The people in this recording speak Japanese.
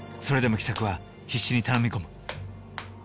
それでも喜作は必死に頼み込む。